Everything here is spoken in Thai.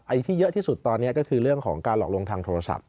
ที่เยอะที่สุดตอนนี้ก็คือเรื่องของการหลอกลวงทางโทรศัพท์